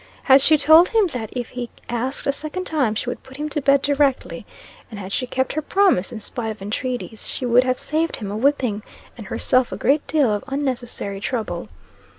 Had she told him that if he asked a second time, she would put him to bed directly and had she kept her promise, in spite of entreaties she would have saved him a whipping, and herself a great deal of unnecessary trouble.